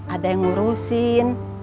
ada yang ngurusin